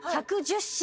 １１０品。